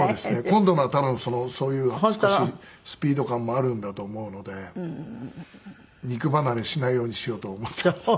今度のは多分そういう少しスピード感もあるんだと思うので肉離れしないようにしようと思っています。